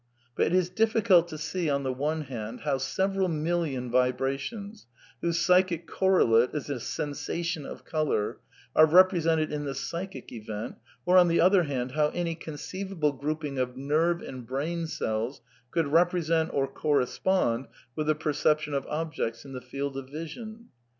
But it is diflScult to see, on the one hand, how several million vibrations, whose psychic correlate is a sensation of colour, are represented in the psychic event, or, on the other hand, how any conceivable grouping of nerve and brain cells could represent or correspond with the perception of objects in the field of vision.